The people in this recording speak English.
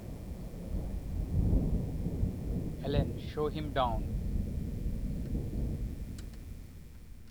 Ellen, show him down.